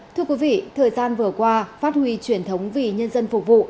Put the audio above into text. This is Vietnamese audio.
thưa quý vị thời gian vừa qua phát huy truyền thống vì nhân dân phục vụ